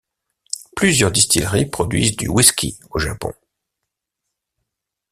Plusieurs distilleries produisent du whisky au Japon.